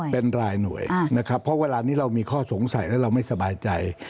เป็นรายหน่วยนะครับเพราะเวลานี้เรามีข้อสงสัยแล้วเราไม่สบายใจ